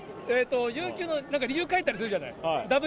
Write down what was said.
有給の理由書いたりするじゃない？